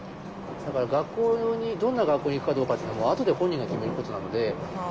だから学校にどんな学校に行くかどうかっていうのはあとで本人が決めることなので。